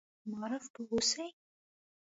معارف پوه اوسي.